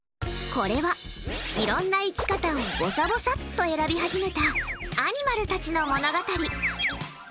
これは、いろんな生き方をぼさぼさっと選び始めたアニマルたちの物語。